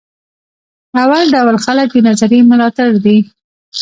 اول ډول خلک د نظریې ملاتړ دي.